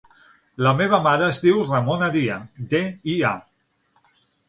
La meva mare es diu Ramona Dia: de, i, a.